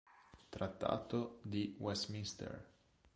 Trattato di Westminster